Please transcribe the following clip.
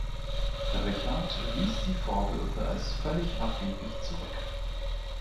Richard wies die Vorwürfe als „völlig abwegig“ zurück.